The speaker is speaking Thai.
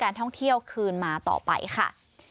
ท่องเที่ยวคืนมาต่อไปค่ะ